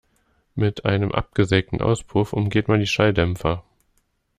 Mit einem absägten Auspuff umgeht man die Schalldämpfer.